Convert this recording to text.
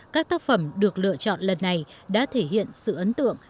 các tác phẩm được lựa chọn lần này đã thể hiện sự ấn tượng